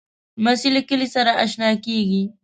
لمسی له کلي سره اشنا کېږي.